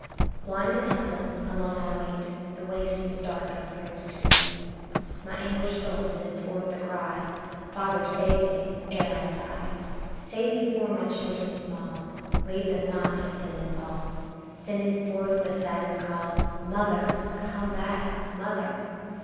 ~ Blind and helpless alone I wait; The way seems dark and prayers too late, My anguished soul sends forth the cry, Father save me, ere I die; Save me for my children small, Leave them not to sin and fall, Sending forth the saddened call, Mother, come back, mother!